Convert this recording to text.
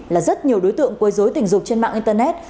là rất nhiều đối tượng quấy dối tình dục trên mạng internet